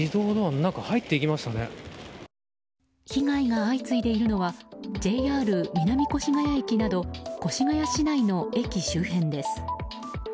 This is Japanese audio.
被害が相次いでいるのはＪＲ南越谷駅など越谷市内の駅周辺です。